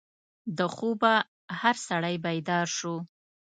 د خوبه هر سړی بیدار شو.